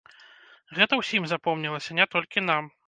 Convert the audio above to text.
Гэта ўсім запомнілася, не толькі нам.